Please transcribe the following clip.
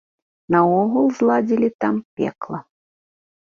Наогул зладзілі там пекла.